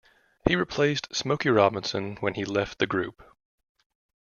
He replaced Smokey Robinson when he left the group.